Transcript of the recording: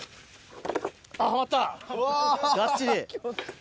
がっちり。